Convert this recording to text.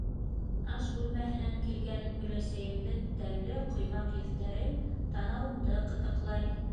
Аш бүлмәһенән килгән өләсәйемдең тәмле ҡоймаҡ еҫтәре танауымды ҡытыҡлай.